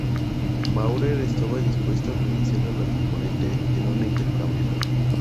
Bauer estaba dispuesto a renunciar a la componente en un intercambio.